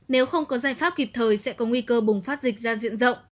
nếu không có giải pháp kịp thời sẽ có nguy cơ bùng phát dịch ra diện rộng